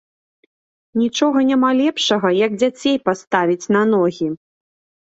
Нічога няма лепшага, як дзяцей паставіць на ногі.